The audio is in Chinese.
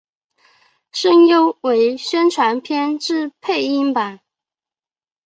声优为宣传片之配音版。